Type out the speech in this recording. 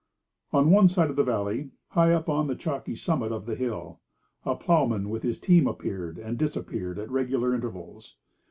On one side of the valley, high up on the chalky summit of the hill, a ploughman with his team appeared and disappeared at regular intervals.